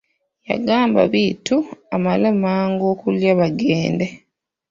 Yagamba Bittu amale mangu okulya bagende.